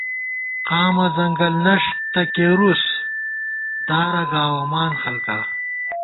قامہ ځنگل نَݭ تہ کېرُس دارَہ گاوَمان خَلکا